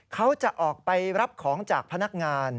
เขาจะออกไปรับของจากพนักงาน